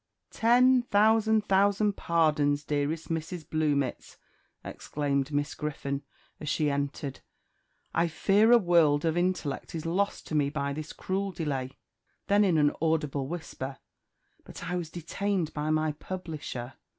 "Ten thousand thousand pardons, dearest Mrs. Bluemits!" exclaimed Miss Griffon, as she entered. "I fear a world of intellect is lost to me by this cruel delay." Then in an audible whisper "But I was detained by my publisher.